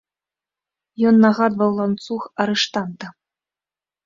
Ён нагадваў ланцуг арыштанта.